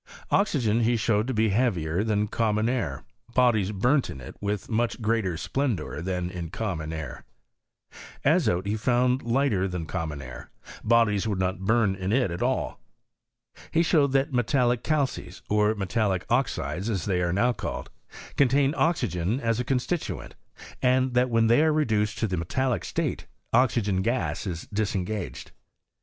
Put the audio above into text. Oxygen he showed to be heavier than common air ; bodies burnt in it with much greater splendour than in common air. Azote he found lighter than com mon air ; bodies would not burn in it at all. He riiowed that metallic calcesy or metallic oxides, as they are now called, contain oxygen as a con stituent, and that when they are reduced to the metallic state, oxygen gas is disengaged.